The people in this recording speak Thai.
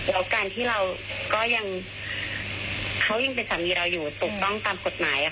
แล้วการที่เราก็ยังเขายังเป็นสามีเราอยู่ถูกต้องตามกฎหมาย